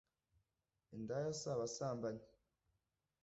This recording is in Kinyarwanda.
indaya si abasambanyi